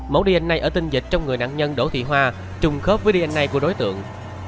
mẫu dna ở tinh dịch trong người nạn nhân đỗ thị hoa trùng khớp với dna của đối tượng